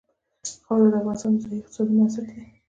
خاوره د افغانستان د ځایي اقتصادونو بنسټ دی.